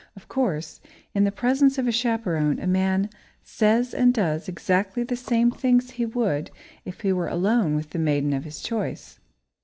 Of course, in the presence of a chaperone, a man says and does exactly the same things he would if he were alone with the maiden of his choice.